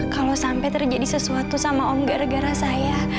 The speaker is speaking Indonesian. kalau sampai terjadi sesuatu sama om gara gara saya